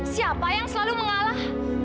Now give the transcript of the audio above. siapa yang selalu mengalah